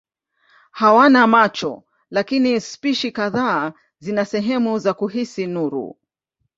Hawana macho lakini spishi kadhaa zina sehemu za kuhisi nuru.